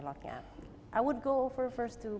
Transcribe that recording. saya akan mulai dari profesor j